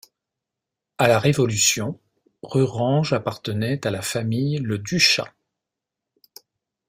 À la Révolution, Rurange appartenait à la famille Le Duchat.